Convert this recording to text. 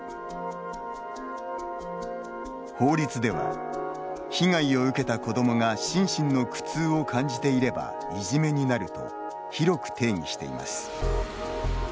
法律では、被害を受けた子どもが心身の苦痛を感じていればいじめになると広く定義しています。